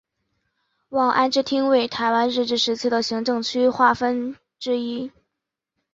望安支厅为台湾日治时期的行政区划之一。